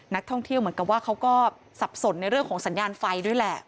เหมือนกับว่าเขาก็สับสนในเรื่องของสัญญาณไฟด้วยแหละ